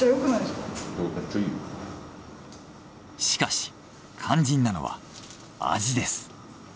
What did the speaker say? しかし肝心なのは味です。